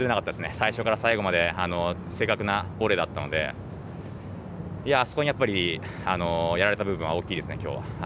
最初から最後まで正確なボレーだったのでそこにやられた部分は大きいですね。